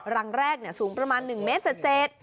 รังแรกสูงประมาณ๑เมตรเศษ